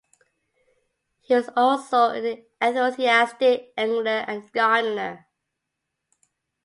He was also an enthusiastic angler and gardener.